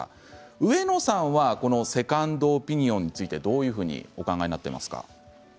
上野さんは、セカンドオピニオンについてどういうふうにお考えですか？